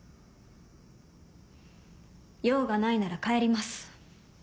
用がないなら帰ります。